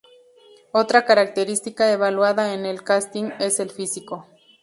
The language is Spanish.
Otra característica evaluada en el casting es el físico.